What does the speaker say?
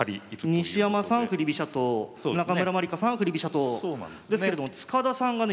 西山さん振り飛車党中村真梨花さんは振り飛車党ですけれども塚田さんがね